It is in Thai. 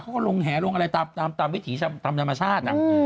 เขาก็ลงแหลงอะไรตามวิถีตามธรรมชาติ